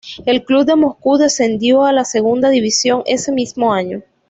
El club de Moscú descendió a la segunda división ese mismo año.